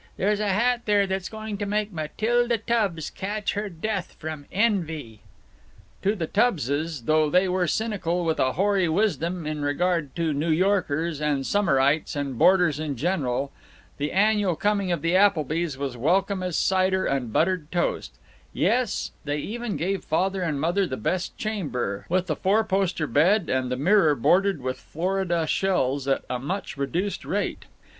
There's a hat there that's going to make Matilda Tubbs catch her death from envy!" To the Tubbses, though they were cynical with a hoary wisdom in regard to New Yorkers and summerites and boarders in general, the annual coming of the Applebys was welcome as cider and buttered toast yes, they even gave Father and Mother the best chamber, with the four poster bed and the mirror bordered with Florida shells, at a much reduced rate.